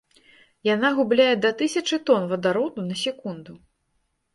Яна губляе да тысячы тон вадароду на секунду.